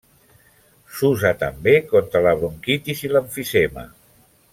S'usa també contra la bronquitis i l'emfisema.